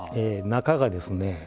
中がですね